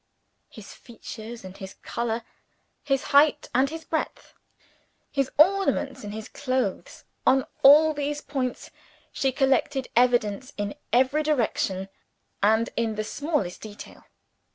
His features and his color, his height and his breadth; his ornaments and his clothes on all these points she collected evidence, in every direction and in the smallest detail.